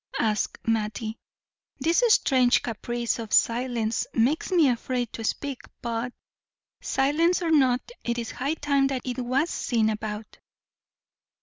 asked Mattie. "This strange caprice of silence makes me afraid to speak; but, silence or not, it is high time that it was seen about."